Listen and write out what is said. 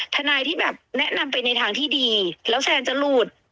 ทนายที่แบบแนะนำไปในทางที่ดีแล้วแซนจะหลุด